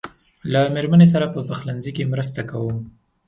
له مېرمنې سره په پخلنځي کې مرسته کوم.